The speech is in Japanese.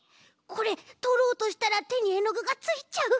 これとろうとしたらてにえのぐがついちゃう。